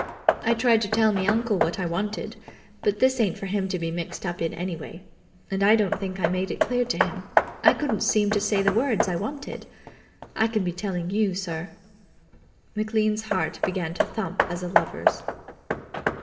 "I tried to tell me uncle what I wanted, but this ain't for him to be mixed up in, anyway, and I don't think I made it clear to him. I couldn't seem to say the words I wanted. I can be telling you, sir." McLean's heart began to thump as a lover's.